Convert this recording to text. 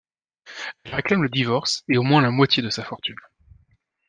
Elle réclame le divorce et au moins la moitié de sa fortune.